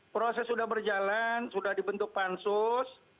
proses sudah berjalan sudah dibentuk pansus